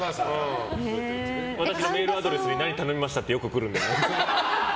私のメールアドレスに何頼みましたってよく来るんで。